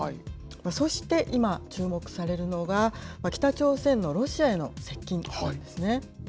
そして今注目されるのが、北朝鮮のロシアへの接近なんですね。